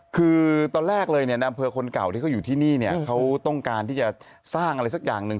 คือตอนแรกเลยเนี่ยในอำเภอคนเก่าที่เขาอยู่ที่นี่เนี่ยเขาต้องการที่จะสร้างอะไรสักอย่างหนึ่ง